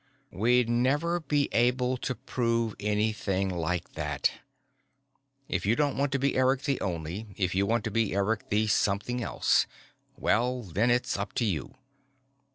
"We'd never be able to prove anything like that. If you don't want to be Eric the Only, if you want to be Eric the something else, well then, it's up to you.